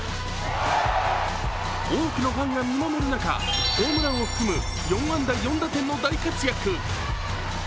多くのファンが見守る中、ホームランを含む４安打４打点の大活躍。